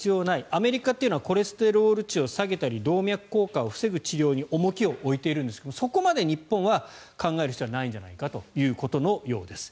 アメリカというのはコレステロール値を下げたり動脈硬化を避ける治療に重きを置いているんですがそこまで日本は考える必要はないんじゃないかということのようです。